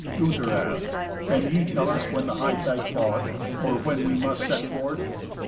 Gunther asked, "Can ye tell us when the hightide falleth, or when we must set forth?"